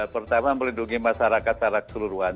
pertama melindungi masyarakat secara keseluruhan